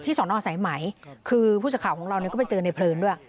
เออที่ส่วนออกสายใหม่คือผู้จัดข่าวของเรานี่ก็ไปเจอในเพลินด้วย